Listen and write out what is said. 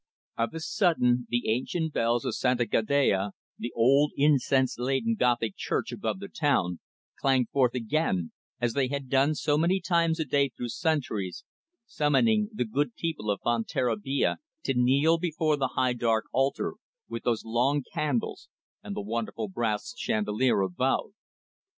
Of a sudden the ancient bells of Santa Gadea, the old incense laden, Gothic church above the town, clanged forth again, as they had done so many times a day through centuries, summoning the good people of Fonterrabia to kneel before the high dark altar, with those long candles and the wonderful brass chandelier above.